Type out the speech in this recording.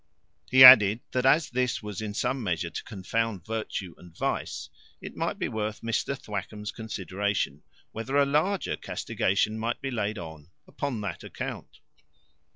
He added, that as this was in some measure to confound virtue and vice, it might be worth Mr Thwackum's consideration, whether a larger castigation might not be laid on upon the account.